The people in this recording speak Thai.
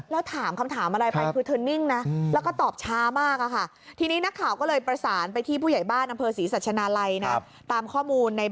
แล้วถามคำถามอะไรไปคือเธอนิ่งนะ